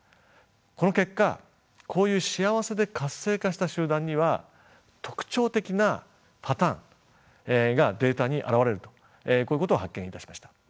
この結果こういう幸せで活性化した集団には特徴的なパターンがデータに現れるとこういうことを発見いたしました。